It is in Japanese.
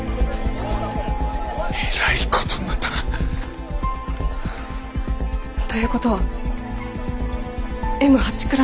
えらいことになったな。ということはＭ８クラスがもう一度。